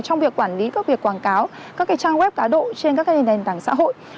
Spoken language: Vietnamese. trong việc quản lý các việc quảng cáo các trang web cá độ trên các nền tảng xã hội